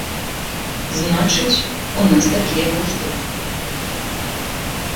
Значыць, у нас такія густы.